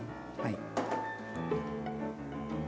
はい。